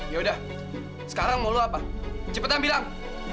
yaudah sekarang mau lo apa cepetan bilang